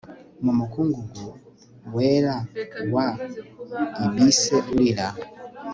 Mu mukungugu wera wa ibise urira